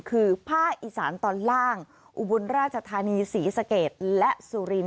คือภาคอีสานตอนล่างอุบลราชธานีศรีสะเกดและสุรินท